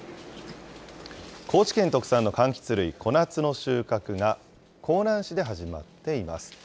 高知県特産のかんきつ類、小夏の収穫が香南市で始まっています。